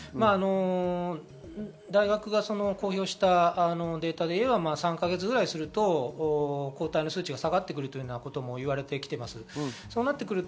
大学が公表したデータでいうと、３か月くらいすると抗体の数値が下がってくるともいわれています。